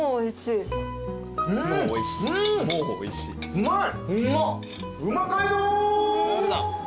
うまい！